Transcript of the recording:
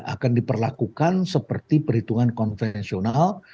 akan diperlakukan seperti perhitungan konvensional